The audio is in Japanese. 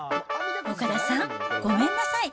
岡田さん、ごめんなさい。